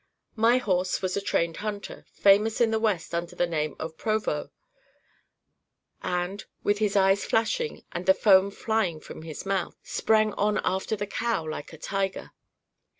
"My horse was a trained hunter, famous in the west under the name of Proveau, and, with his eyes flashing, and the foam flying from his mouth, sprang on after the cow like a tiger.